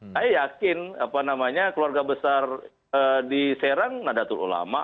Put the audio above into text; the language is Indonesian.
saya yakin keluarga besar di serang nadatul ulama